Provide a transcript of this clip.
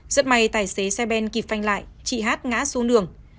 rất may tài xế xe ben kịp phanh lại chị hát ngã xuống đường